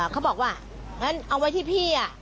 เขาบอกว่างั้นเอาไว้ที่พี่